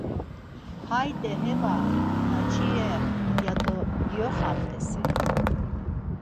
Hayde Hevaa, Naciyeee, ya do giyoxamt̆esi?